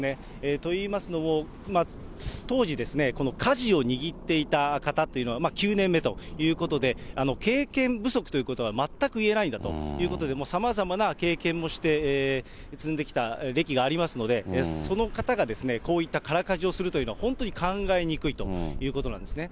といいますのも、当時、かじを握っていた方っていうのは９年目ということで、経験不足ということは全く言えないんだということで、さまざまな経験もして、積んできた歴がありますので、その方がこういった空かじをするというのは、本当に考えにくいということなんですね。